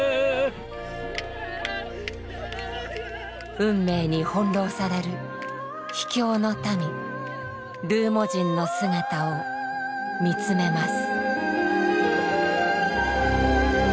運命に翻弄される秘境の民ルーモ人の姿を見つめます。